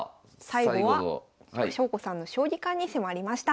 最後は翔子さんの将棋観に迫りました。